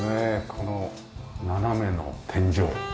この斜めの天井。